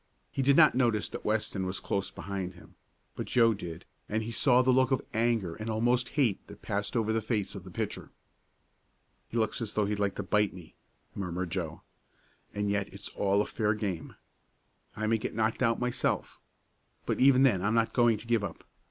He did not notice that Weston was close behind him, but Joe did, and he saw the look of anger and almost hate that passed over the face of the pitcher. "He looks as though he'd like to bite me," murmured Joe. "And yet it's all a fair game. I may get knocked out myself. But even then I'm not going to give up.